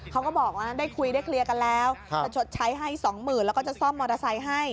เขาก็บอกว่าได้คุยได้เคลียร์กันแล้วจะชดใช้ให้สองหมื่นแล้วก็จะซ่อมมอเตอร์ไซค์ให้